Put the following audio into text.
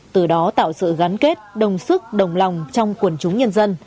từ đó tạo sự gắn kết đồng sức đồng lòng trong quần chúng nhân dân